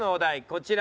こちら。